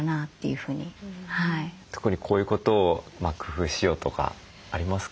特にこういうことを工夫しようとかありますか？